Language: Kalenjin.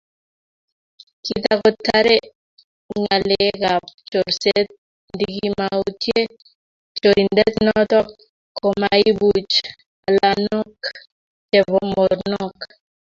Kitagotare ngalekab chorset ndikimautye chorindet noto komaibuch alamok chebo mornok---